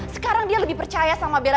sekarang dia lebih percaya sama bella